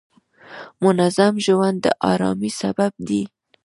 منظم ژوند د آرامۍ سبب دی.